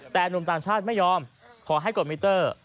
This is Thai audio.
แต่หนุ่มต่างชาติไม่ยอมขอให้กดมิเตอร์